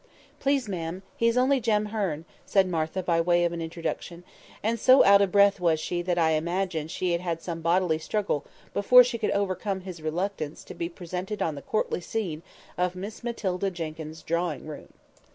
"Please, ma'am, he's only Jem Hearn," said Martha, by way of an introduction; and so out of breath was she that I imagine she had had some bodily struggle before she could overcome his reluctance to be presented on the courtly scene of Miss Matilda Jenkyns's drawing room.